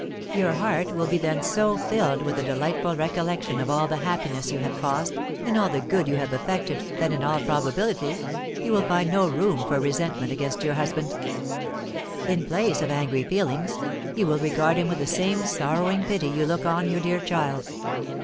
Your heart will be then so filled with the delightful recollection of all the happiness you have caused, and all the good you have effected, that, in all probability, you will find no room for resentment against your husband. In place of angry feelings, you will regard him with the same sorrowing pity you look on your dear child.